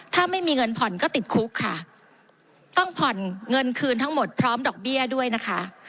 ถ้าไม่มีเงินผ่อนก็ติดคุกค่ะต้องผ่อนเงินคืนทั้งหมดพร้อมดอกเบี้ยด้วยนะคะ